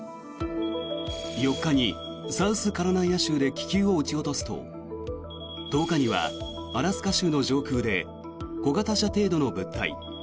４日にサウスカロライナ州で気球を撃ち落とすと１０日にはアラスカ州の上空で小型車程度の物体